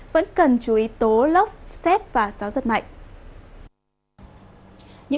vẫn cần chú ý tố lốc xét và gió giật mạnh